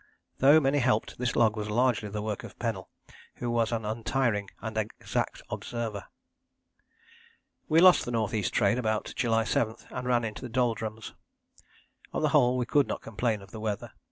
Though many helped, this log was largely the work of Pennell, who was an untiring and exact observer. We lost the N.E. Trade about July 7, and ran into the Doldrums. On the whole we could not complain of the weather.